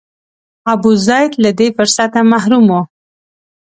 ابوزید له دې فرصته محروم و.